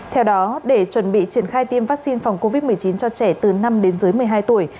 theo đó để chuẩn bị triển khai tiêm vaccine phòng covid một mươi chín cho trẻ từ năm đến dưới một mươi hai tuổi